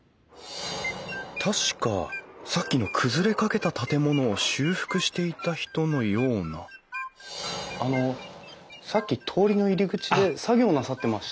確かさっきの崩れかけた建物を修復していた人のようなあのさっき通りの入り口で作業なさってました？